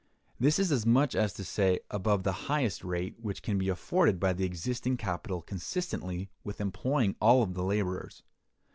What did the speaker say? This is as much as to say, above the highest rate which can be afforded by the existing capital consistently with employing all the laborers.